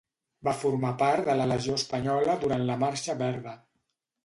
Va formar part de la Legió Espanyola durant la marxa verda.